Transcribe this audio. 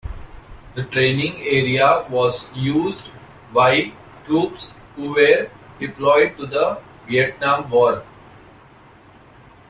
The training area was used by troops who were deployed to the Vietnam War.